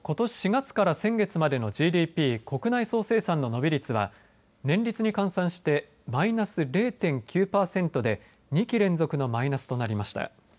４月から先月までのＧＤＰ国内総生産の伸び率は年率に換算してマイナス０．９パーセントで２期連続のマイナスとなりました。